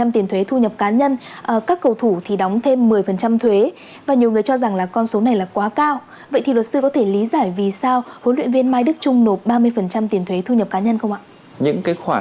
tiền thưởng từ các nguồn xã hội hóa